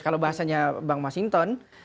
kalau bahasanya bang masinton